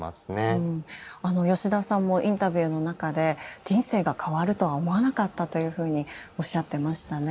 吉田さんもインタビューの中で「人生が変わるとは思わなかった」というふうにおっしゃってましたね。